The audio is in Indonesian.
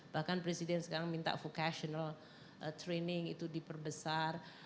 bahkan presiden sekarang minta vocational training itu diperbesar